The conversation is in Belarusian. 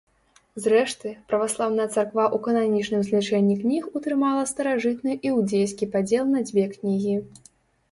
Зрэшты, праваслаўная царква ў кананічным злічэнні кніг утрымала старажытны іўдзейскі падзел на дзве кнігі.